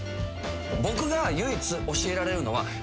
僕が唯一教えられるのは。